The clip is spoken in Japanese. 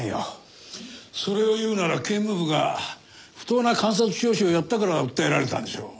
それを言うなら警務部が不当な監察聴取をやったから訴えられたんでしょう。